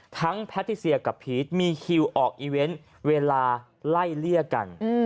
แพทติเซียกับพีชมีคิวออกอีเวนต์เวลาไล่เลี่ยกัน